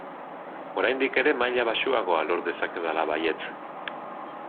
Oraindik ere maila baxuagoa lor dezakedala baietz!